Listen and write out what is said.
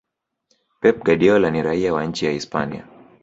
Pep Guardiola ni raia wa nchi ya Hispania